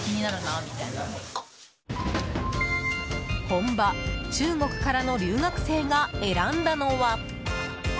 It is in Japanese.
本場中国からの留学生が選んだのは。